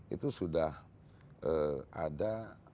itu sudah ada delapan